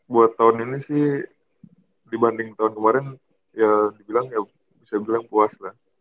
buat tahun ini sih dibanding tahun kemarin ya dibilang ya bisa dibilang puas lah